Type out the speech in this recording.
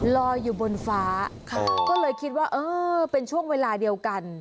ลอยอยู่บนฟ้าก็เลยคิดว่าเออเป็นช่วงเวลาเดียวกัน